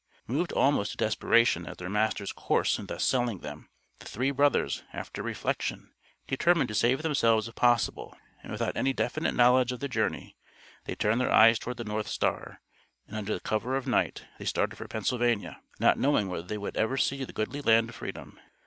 Moved almost to desperation at their master's course in thus selling them, the three brothers, after reflection, determined to save themselves if possible, and without any definite knowledge of the journey, they turned their eyes towards the North Star, and under the cover of night they started for Pennsylvania, not knowing whether they would ever see the goodly land of freedom.